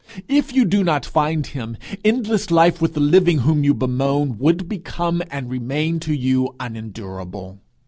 If you do not find him, endless life with the living whom you bemoan would become and remain to you unendurable.